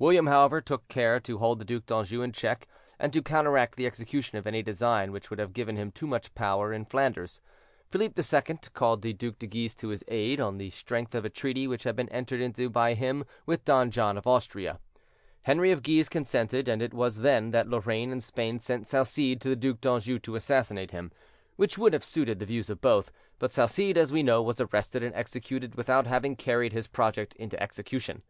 William, however, took care to hold the Duc d'Anjou in check, and to counteract the execution of any design which would have given him too much power in Flanders. Philippe II. called the Duc de Guise to his aid, on the strength of a treaty which had been entered into by him with Don John of Austria. Henri of Guise consented, and it was then that Lorraine and Spain sent Salcede to the Duc d'Anjou to assassinate him, which would have suited the views of both; but Salcede, as we know, was arrested and executed without having carried his project into execution.